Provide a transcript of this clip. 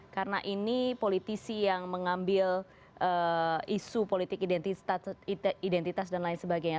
karena ini politisi yang mengambil isu politik identitas dan lain sebagainya